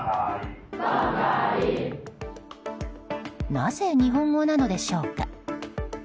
なぜ日本語なのでしょうか。